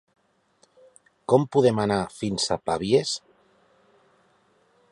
Com podem anar fins a Pavies?